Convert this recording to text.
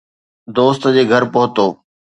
دوست جي گهر پهتو